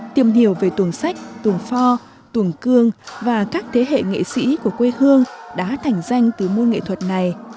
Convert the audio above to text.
tìm hiểu về tuồng sách tuồng pho tuồng cương và các thế hệ nghệ sĩ của quê hương đã thành danh từ môn nghệ thuật này